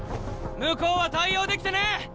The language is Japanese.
向こうは対応できてねえ。